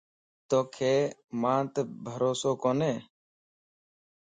توکَ مانت بھروسو ڪوني؟